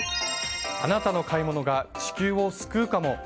あなたの買い物が地球を救うかも？